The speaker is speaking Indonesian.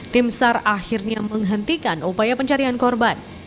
timsar akhirnya menghentikan upaya pencarian korban